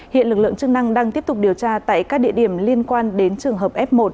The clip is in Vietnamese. hiện lực lượng chức năng đang tiếp tục điều tra tại các địa điểm liên quan đến trường hợp f một